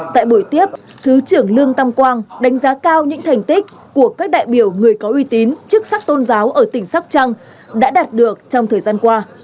tại buổi tiếp thứ trưởng lương tam quang đánh giá cao những thành tích của các đại biểu người có uy tín chức sắc tôn giáo ở tỉnh sóc trăng đã đạt được trong thời gian qua